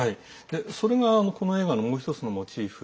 それが、この映画のもう１つのモチーフ。